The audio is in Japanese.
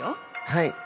はい。